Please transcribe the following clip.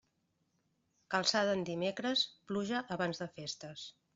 Calçada en dimecres, pluja abans de festes.